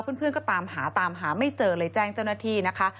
เพื่อนก็ตามหาตามหาไม่เจอเลยแจ้งเจ้าหน้าที่นะคะ